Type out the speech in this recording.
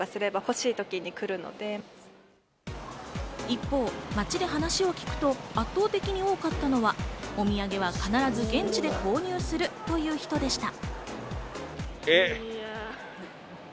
一方、街で話を聞くと圧倒的に多かったのは、お土産は必ず現地で購入するという人でした。